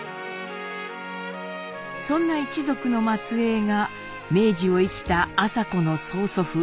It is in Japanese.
そんな一族の末えいが明治を生きた麻子の曽祖父